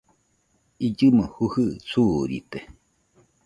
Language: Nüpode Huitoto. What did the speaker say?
Illɨmo jujɨ suurite